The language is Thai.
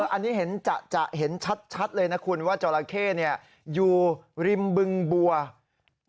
อันนี้จะเห็นชัดเลยนะคุณว่าจราเค้เนี่ยอยู่ริมบึงบัวก่อน